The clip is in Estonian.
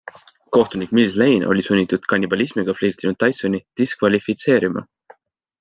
Kohtunik Mills Lane oli sunnitud kannibalismiga flirtinud Tysoni diskvalifitseerima.